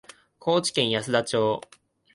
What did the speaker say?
高知県安田町